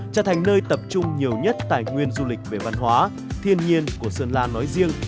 trở thành nơi tập trung nhiều nhất tài nguyên du lịch về văn hóa thiên nhiên của sơn la nói riêng